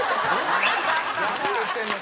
何言ってんの？